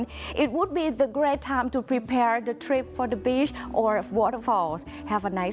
เป็นช่วงที่สุดของพร้อมที่จะพร้อมเดินไปที่ศืนธุ์หรือฝนกัน